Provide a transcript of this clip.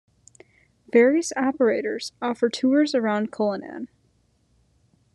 Various operators offer tours around Cullinan.